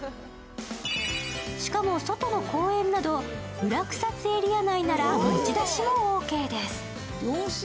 しかも外の公園など、裏草津エリア内なら持ち出しもオーケーです。